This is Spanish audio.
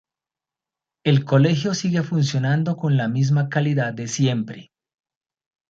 El colegio sigue funcionando con la misma calidad de siempre!!!